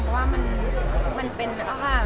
เพราะว่ามันเป็นอ้าวค่ะ